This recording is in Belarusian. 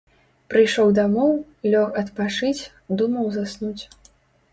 Прыйшоў дамоў, лёг адпачыць, думаў заснуць.